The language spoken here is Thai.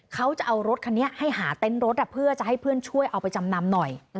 เขาจะเอารถคันนี้ให้หาเต็นต์รถเพื่อจะให้เพื่อนช่วยเอาไปจำนำหน่อย